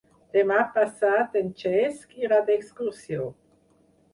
Demà passat en Cesc irà d'excursió.